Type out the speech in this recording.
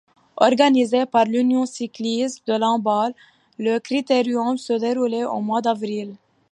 Organisé par l'Union Cycliste de Lamballe, le critérium se déroulait au mois d'avril.